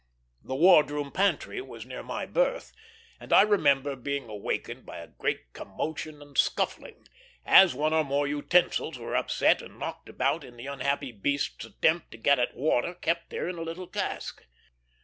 The ward room pantry was near my berth, and I remember being awaked by a great commotion and scuffling, as one or more utensils were upset and knocked about in the unhappy beast's attempt to get at water kept there in a little cask.